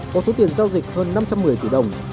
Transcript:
có số tiền giao dịch hơn năm trăm một mươi tỷ đồng